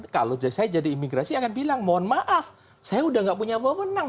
kalau saya jadi imigrasi akan bilang mohon maaf saya sudah tidak punya wawenang